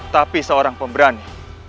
tapi seorang pemberani